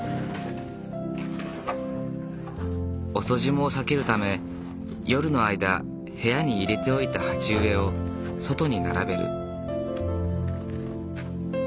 遅霜を避けるため夜の間部屋に入れておいた鉢植えを外に並べる。